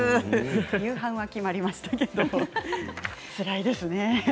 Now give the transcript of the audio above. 夕飯が決まりましたけどつらいですね。